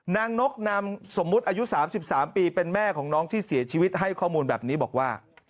นกนามสมมุติอายุ๓๓ปีเป็นแม่ของน้องที่เสียชีวิตให้ข้อมูลแบบนี้บอกว่า